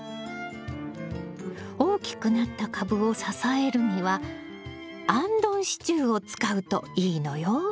大きくなった株を支えるにはあんどん支柱を使うといいのよ。